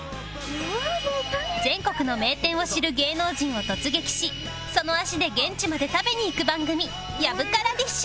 全国の名店を知る芸能人を突撃しその足で現地まで食べに行く番組『やぶからディッシュ』